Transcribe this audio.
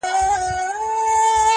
• ځيني يې هنر بولي لوړ..